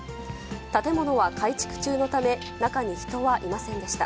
建物は改築中のため、中に人はいませんでした。